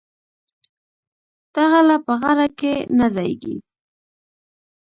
دغله په غره کی نه ځاييږي